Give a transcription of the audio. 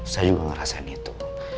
saya juga ngerasain itu